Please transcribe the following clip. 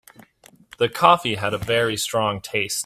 The coffee had a very strong taste.